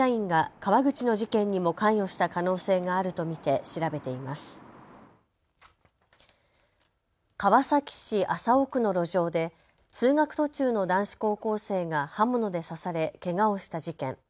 川崎市麻生区の路上で通学途中の男子高校生が刃物で刺されけがをした事件。